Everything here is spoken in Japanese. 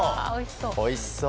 おいしそう。